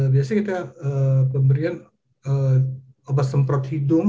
biasanya kita pemberian obat semprot hidung